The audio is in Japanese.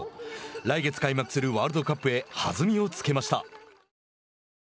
来月開幕するワールドカップへ弾みをつけました。